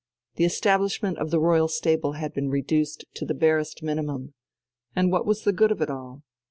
The establishment of the royal stable had been reduced to the barest minimum.... And what was the good of it all?